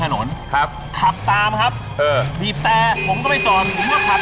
เออสำหรับผู้หญิงไปเก็บ